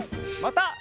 また。